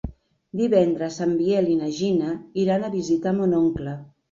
Divendres en Biel i na Gina iran a visitar mon oncle.